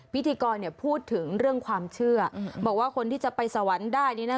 พิธีกรพูดถึงเรื่องความเชื่อบอกว่าคนที่จะไปสวรรค์ได้นี่นะ